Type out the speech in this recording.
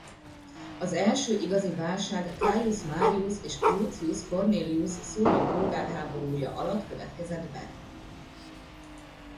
Az első igazi válság Caius Marius és Lucius Cornelius Sulla polgárháborúja alatt következett be.